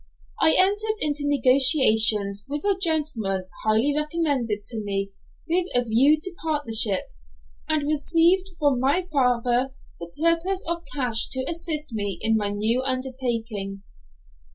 I entered into negotiations with a gentleman highly recommended to me with a view to partnership, and received from my father the promise of cash to assist me in my new undertaking.